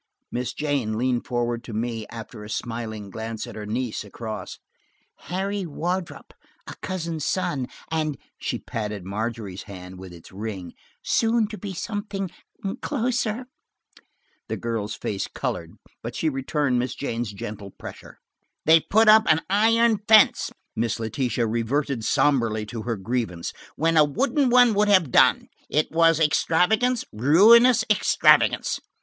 Miss Jane leaned forward to me after a smiling glance at her niece across. "Harry Wardrop, a cousin's son, and–" she patted Margery's hand with its ring–"soon to be something closer." The girl's face colored, but she returned Miss Jane's gentle pressure. "They've put up an iron fence," Miss Letitia reverted somberly to her grievance, "when a wooden one would have done. It was extravagance, ruinous extravagance."